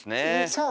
そう。